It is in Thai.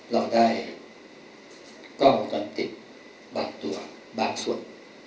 เราได้กล้องวงจรปิดบางตัวบางส่วน